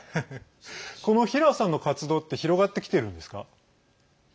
このヒラーさんの活動って広がってきているんですか？